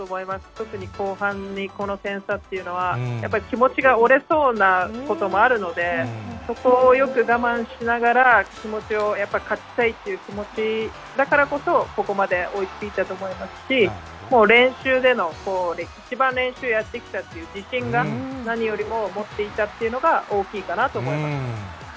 特に後半に、この点差っていうのは、やっぱり気持ちが折れそうなこともあるので、そこをよく我慢しながら、気持ちをやっぱり、勝ちたいという気持ちだからこそ、ここまで追いついたと思いますし、もう練習での一番練習をやってきたという自信が何よりも持っていたというのが大きいかなと思います。